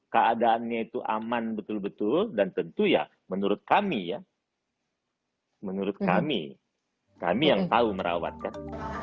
kami yang tahu merawatkan